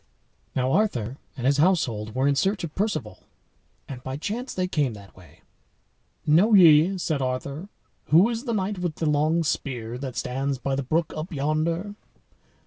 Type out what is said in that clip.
Now Arthur and his household were in search of Perceval, and by chance they came that way. "Know ye," said Arthur, "who is the knight with the long spear that stands by the brook up yonder?"